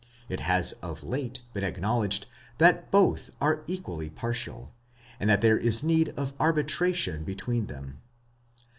It has of late been acknowledged that both are equally partial, and that there is need of arbitration between them.